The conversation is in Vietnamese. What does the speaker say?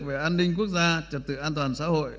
về an ninh quốc gia trật tự an toàn xã hội